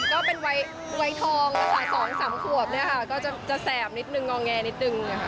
ก็เป็นวัยทองภาษาสองสามขวบจะแสบนิดหนึ่งงอแงนิดหนึ่ง